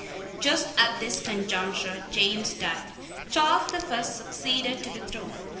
Just at this conjuncture James died. Charles the First succeeded to the throne.